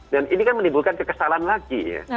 dan ini kan menimbulkan kekesalan lagi ya